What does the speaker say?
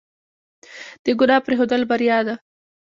د ګناه پرېښودل بریا ده.